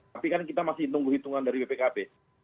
tapi kan kita masih tunggu hitungan dari bpkp